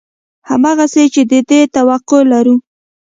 همغسې چې د دې توقع لرو